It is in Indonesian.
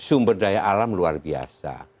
sumber daya alam luar biasa